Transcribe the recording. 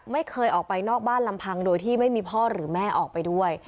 ไม่เคยออกไปนอกบ้านลำพังโดยที่ไม่มีพ่อหรือแม่ออกไปด้วย